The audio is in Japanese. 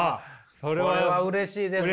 これはうれしいですね。